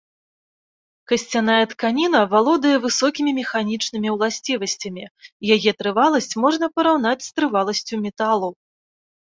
Касцяная тканіна валодае высокімі механічнымі ўласцівасцямі, яе трываласць можна параўнаць з трываласцю металу.